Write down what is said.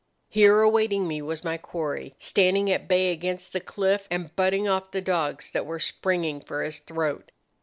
"Here awaiting me was my quarry, standing at bay against the cliff, and butting off the dogs that were springing for his throat.